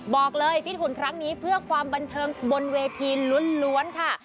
บอกเลยฟิตหุ่นครั้งนี้เพื่อความบันเทิงบนเวทีล้วนค่ะ